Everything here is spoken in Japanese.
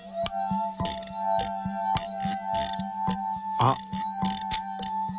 あっ！